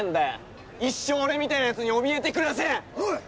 一生俺みたいなヤツにおびえて暮らせ‼おい！